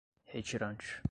retirante